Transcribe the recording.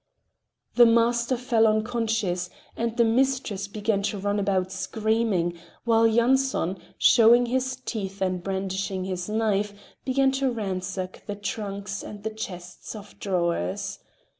The master fell unconscious, and the mistress began to run about, screaming, while Yanson, showing his teeth and brandishing his knife, began to ransack the trunks and the chests of drawers.